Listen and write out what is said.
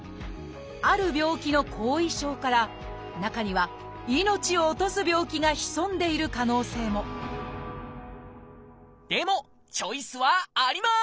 ある病気の後遺症から中には命を落とす病気が潜んでいる可能性もでもチョイスはあります！